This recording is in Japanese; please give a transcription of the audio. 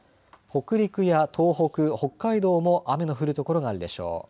北陸や東北、北海道も雨の降る所があるでしょう。